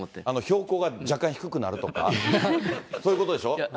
標高が若干低くなるとか、そういうことでしょ？